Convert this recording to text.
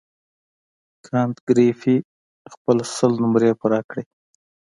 کانت ګریفي خپله سل نمرې پوره کړې.